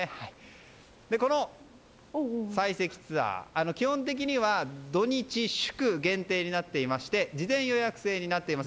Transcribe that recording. この採石ツアー、基本的には土日祝限定になっていまして事前予約制になっています。